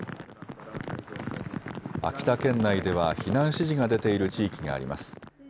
秋田県内では避難指示が出ている地域があります。